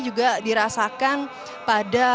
juga dirasakan pada